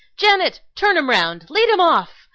Janet, turn him round. Lead him off!